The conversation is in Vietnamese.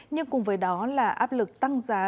nhưng cùng với đó là áp lực tăng giá